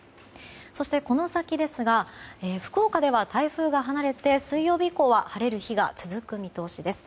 そして、この先ですが福岡では台風が離れて水曜日以降は晴れる日が続く見通しです。